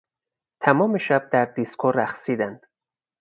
تمام شب در دیسکو رقصیدند.